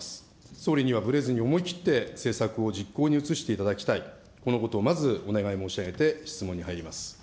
総理にはぶれずに思い切って政策を実行に移していただきたい、このことをまずお願い申し上げて質問に入ります。